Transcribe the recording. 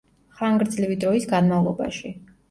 ხანგრძლივი დროის განმავლობაში.